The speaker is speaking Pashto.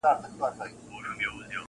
• عقل چي پردی سي له زمان سره به څه کوو -